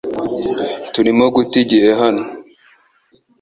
Turimo guta igihe hano .